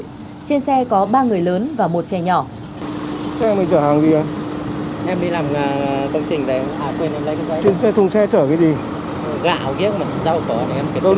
trên xe có ba người lớn và một trẻ nhỏ